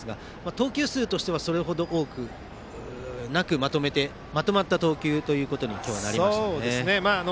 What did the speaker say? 投球数としてはそれほど多くなくまとまった投球ということに今日はなりましたね。